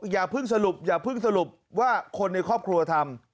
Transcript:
อย่าเพิ่งสรุปอย่าเพิ่งสรุปว่าคนในครอบครัวทำ